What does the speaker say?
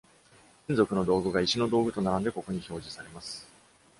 金属の道具が石の道具と並んでここに表示されます。